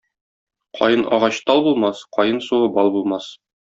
Каен агач тал булмас, каен суы бал булмас.